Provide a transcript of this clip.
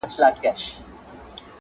په طمه پروت دے د جنت مسلمان کړے مې دی